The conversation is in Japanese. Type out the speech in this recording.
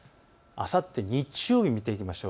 あさって日曜日を見ていきましょう。